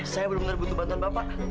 saya benar benar butuh bantuan bapak